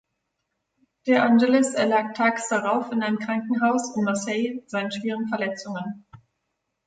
De Angelis erlag tags darauf in einem Krankenhaus in Marseille seinen schweren Verletzungen.